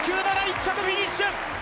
１着フィニッシュ。